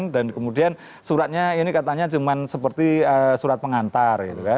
dan kemudian suratnya ini katanya cuman seperti surat pengantar